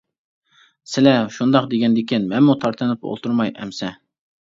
-سىلە شۇنداق دېگەندىكىن مەنمۇ تارتىنىپ ئولتۇرماي ئەمىسە.